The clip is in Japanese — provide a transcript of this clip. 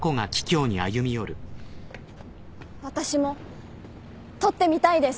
私も取ってみたいです